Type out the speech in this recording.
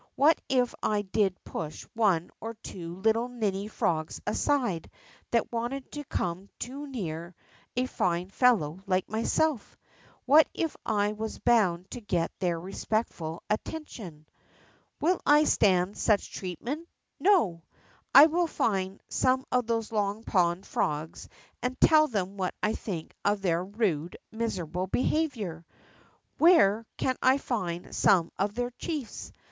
What if I did push one or two little ninny frogs aside that wanted to come too near a fine fellow like myself ? What if 1 was bound to get their respectful at tention ? Will I stand such treatment? hTo! I will find some of those Long Pond frogs and tell them what I think of their rude, miserable behavior 1 Where can I find some of their chiefs